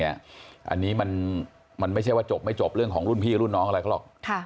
อันนี้มันไม่ใช่ว่าจบไม่จบเรื่องของรุ่นพี่รุ่นน้องอะไรเขาหรอก